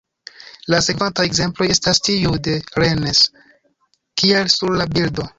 La sekvantaj ekzemploj estas tiuj de Rennes, kiel sur la bildo.